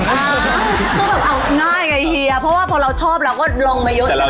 ก็แบบเอาง่ายไงเฮียเพราะว่าพอเราชอบเราก็ลองมาเยอะเลย